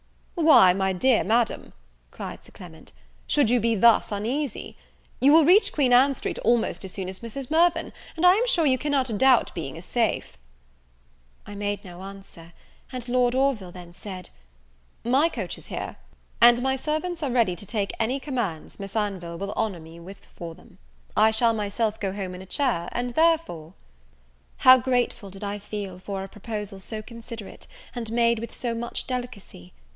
"Why, my dear madam," cried Sir Clement, "should you be thus uneasy? you will reach Queen Ann Street almost as soon as Mrs. Mirvan, and I am sure you cannot doubt being as safe." I made no answer, and Lord Orville then said, "My coach is here; and my servants are ready to take any commands Miss Anville will honour me with for them. I shall myself go home in a chair, and therefore " How grateful did I feel for a proposal so considerate, and made with so much delicacy!